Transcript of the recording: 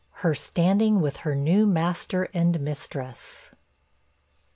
HER STANDING WITH HER NEW MASTER AND MISTRESS.